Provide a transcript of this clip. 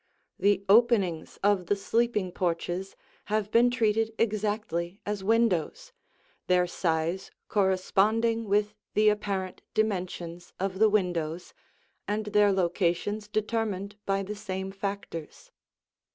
The openings of the sleeping porches have been treated exactly as windows, their size corresponding with the apparent dimensions of the windows, and their locations determined by the same factors.